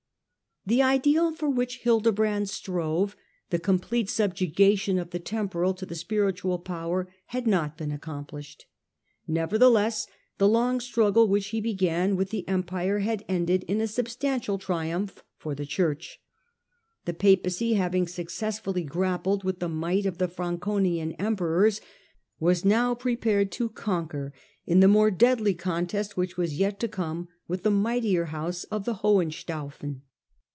The ideal for which Hildebrand strove — the complete subjugation of the temporal to the spiritual power — had Results of ^^* hQ&R accomplished. Nevertheless, the long the strife struggle which he began with the Empire had ended in a substantial triumph for the Church. The Papacy, having successfully grappled with the might of the Franconian emperors, was now prepared to conquer in the more deadly contest which was yet to come with the mightier house of the Hohenstaufen.